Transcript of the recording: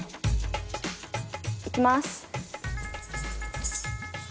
いきます。